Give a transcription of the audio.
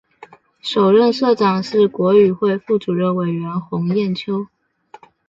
首任社长是国语会副主任委员洪炎秋。